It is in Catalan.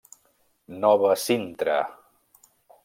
Nova Sintra.